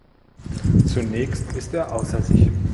Zunächst ist er außer sich.